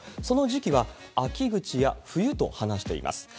その時期は秋口や冬と話しています。